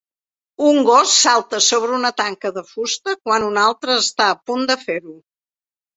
Un gos salta sobre una tanca de fusta quan un altre està a punt de fer-ho.